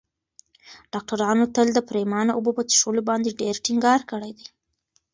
ډاکترانو تل د پرېمانه اوبو په څښلو باندې ډېر ټینګار کړی دی.